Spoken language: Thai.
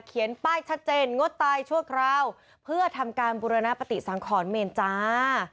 ป้ายชัดเจนงดตายชั่วคราวเพื่อทำการบุรณปฏิสังขรเมนจ้า